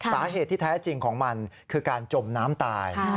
สาเหตุที่แท้จริงของมันคือการจมน้ำตาย